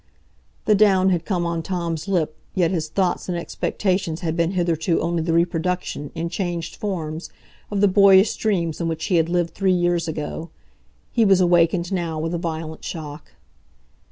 The down had come on Tom's lip, yet his thoughts and expectations had been hitherto only the reproduction, in changed forms, of the boyish dreams in which he had lived three years ago. He was awakened now with a violent shock.